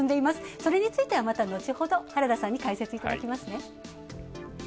それについては、またのちほど原田さんに解説いただきます。